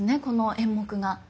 この演目が。